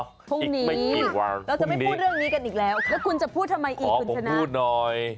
พรุ่งนี้เราจะไม่พูดเรื่องนี้กันอีกแล้วแล้วคุณจะพูดทำไมอีกคุณชนะพูดหน่อย